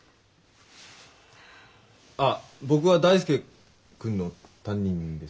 あ僕は大介君の担任です。